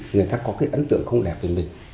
người ta có cái ấn tượng không đẹp về mình